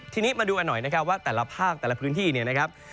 ทีนี้มาดูกันหน่อยนะครับว่าแต่ละภาคแต่ละพื้นที่เนี่ยนะครับ